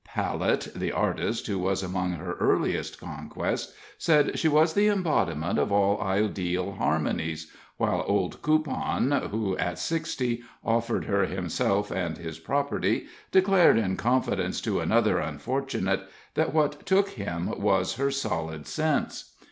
Palette, the artist, who was among her earliest victims, said she was the embodiment of all ideal harmonies; while old Coupon, who at sixty offered her himself and his property, declared in confidence to another unfortunate that what took him was her solid sense.